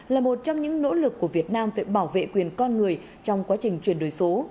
là một trong những nỗ lực của việt nam về bảo vệ quyền con người trong quá trình chuyển đổi số